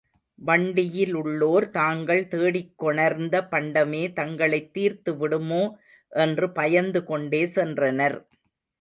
வண்டியிலுள்ளோர் தாங்கள் தேடிக் கொணர்ந்த பண்டமே தங்களைத் தீர்த்துவிடுமோ என்று பயந்து கொண்டே சென்றனர்.